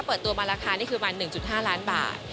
เปิดตัวมาราคานี่คือประมาณ๑๕ล้านบาท